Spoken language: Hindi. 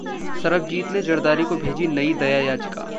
सरबजीत ने जरदारी को भेजी नई दया याचिका